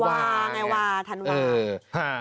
อ๋อวาไงวาธันวาเออห้า